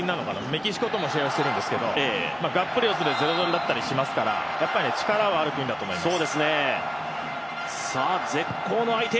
メキシコとも試合をしてるんですけど、がっぷり四つで０−０になったりしてますからやっぱり力はある国だと思います。